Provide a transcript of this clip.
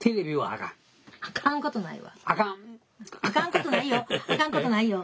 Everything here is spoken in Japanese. あかんことないよ。